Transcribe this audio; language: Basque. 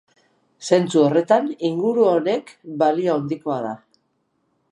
Zentzu horretan inguru honek balio handikoa da.